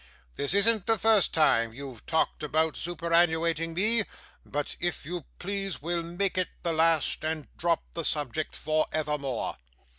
'This isn't the first time you've talked about superannuating me; but, if you please, we'll make it the last, and drop the subject for evermore.